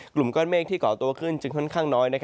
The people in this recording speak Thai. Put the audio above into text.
กลุ่มก้อนเมฆที่เกาะตัวขึ้นจึงค่อนข้างน้อย